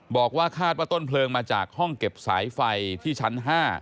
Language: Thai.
บอกว่าคาดว่าต้นเพลิงมาจากห้องเก็บสายไฟที่ชั้น๕